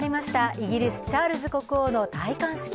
イギリス・チャールズ国王の戴冠式。